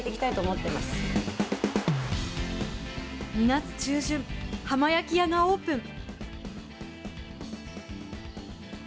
２月中旬浜焼き屋がオープン。